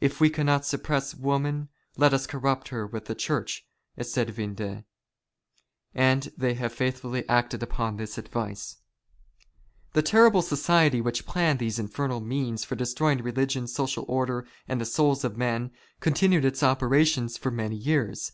"If we cannot suppress woman let us corrupt her with the Church," said Vindex, and they have faithfully acted upon this advice. The terrible society which planned these infernal means for destroying religion, social order, and the souls of men, continued its operations for many years.